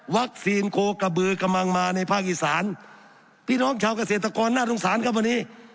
โคกระบือกำลังมาในภาคอีสานพี่น้องชาวเกษตรกรน่าสงสารครับวันนี้